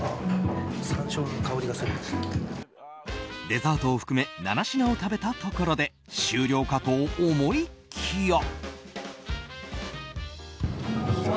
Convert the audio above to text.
デザートを含め７品を食べたところで終了かと思いきや。